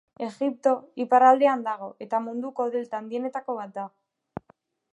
Egipto iparraldean dago eta munduko delta handienetako bat da.